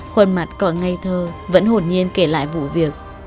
khuôn mặt cỏ ngây thơ vẫn hồn nhiên kể lại vụ việc